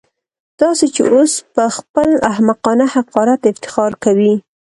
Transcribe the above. داسې چې اوس پهخپل احمقانه حقارت افتخار کوي.